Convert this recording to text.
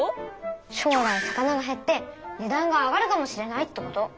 将来魚が減って値段が上がるかもしれないってこと。